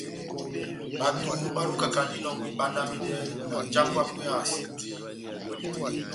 Bato balukakandini inɔngɔ ibandamidɛ na njambwɛ yábu ehasɛ.